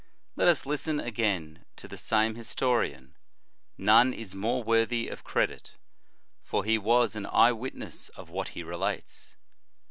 Let us listen again to the same historian; none is more worthy of credit, for he was an eye wit ness of what he relates.